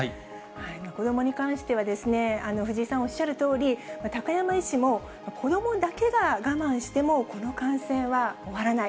子どもに関しては、藤井さんおっしゃるとおり、高山医師も、子どもだけが我慢しても、この感染は終わらない。